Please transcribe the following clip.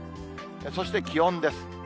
そして気温です。